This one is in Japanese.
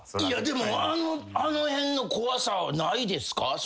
いやでもあのへんの怖さはないですか？